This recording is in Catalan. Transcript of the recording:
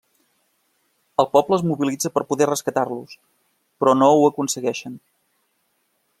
El poble es mobilitza per poder rescatar-los, però no ho aconsegueixen.